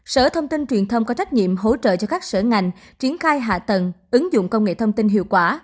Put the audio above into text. sở thông tin truyền thông có trách nhiệm hỗ trợ cho các sở ngành triển khai hạ tầng ứng dụng công nghệ thông tin hiệu quả